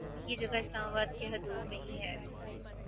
یہ جگہ اسلام آباد کی حدود میں ہی ہے